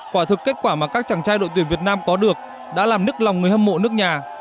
quả thực kết quả mà các chàng trai đội tuyển việt nam có được đã làm nức lòng người hâm mộ nước nhà